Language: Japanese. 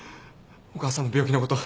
お母さんの病気のこと。